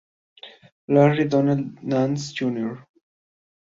Larry Donnell Nance, Jr.